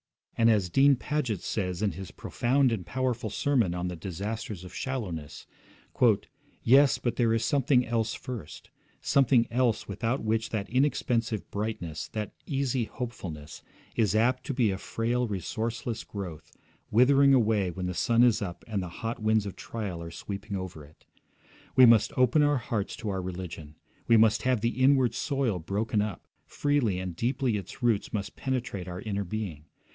And as Dean Paget says in his profound and powerful sermon on 'The Disasters of Shallowness': 'Yes, but there is something else first; something else without which that inexpensive brightness, that easy hopefulness, is apt to be a frail resourceless growth, withering away when the sun is up and the hot winds of trial are sweeping over it. We must open our hearts to our religion; we must have the inward soil broken up, freely and deeply its roots must penetrate our inner being.